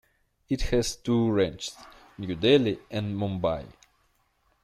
It has two ranges: New Delhi and Mumbai.